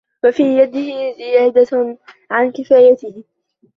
وَفِي يَدِهِ زِيَادَةً عَنْ كِفَايَتِهِ